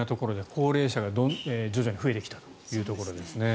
高齢者が徐々に増えてきたというところですね。